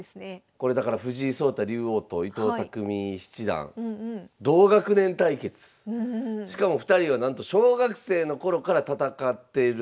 これだから藤井聡太竜王と伊藤匠七段しかも２人はなんと小学生の頃から戦っているという。